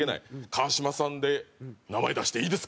「川島さんで名前出していいですか？」